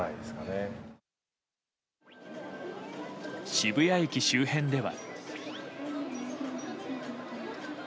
渋谷駅周辺では。